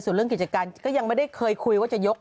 ส่วนเรื่องกิจการก็ยังไม่ได้เคยคุยว่าจะยก